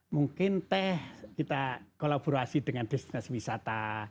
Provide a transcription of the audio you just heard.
mungkin teh kita kolaborasi dengan destinasi wisata